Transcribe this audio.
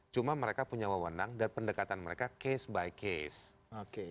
cuma mereka punya wewenang dan pendekatan mereka case by case